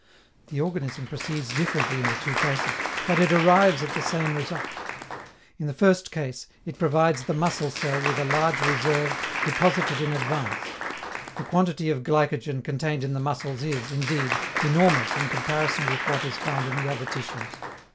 The organism proceeds differently in the two cases, but it arrives at the same result. In the first case, it provides the muscle cell with a large reserve deposited in advance: the quantity of glycogen contained in the muscles is, indeed, enormous in comparison with what is found in the other tissues.